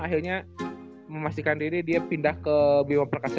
akhirnya memastikan diri dia pindah ke bimang perkasama